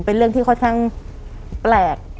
เป็นเรื่องที่ค่อนข้างแปลก